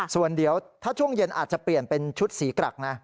ส่วนเดี๋ยวถ้าช่วงเย็นอาจจะเปลี่ยนเป็นชุดสีกรักนะ